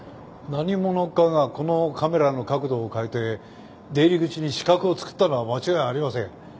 何者かがこのカメラの角度を変えて出入り口に死角を作ったのは間違いありません。